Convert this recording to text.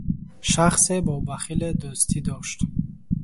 Шахсе бо бахиле дӯстӣ дошт.